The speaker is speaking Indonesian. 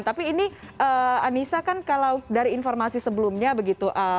tapi ini anissa kan kalau dari informasi sebelumnya begitu